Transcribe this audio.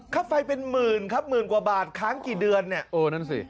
ค่าไฟเป็นหมื่นกว่าบาทค้างกี่เดือนเนี่ย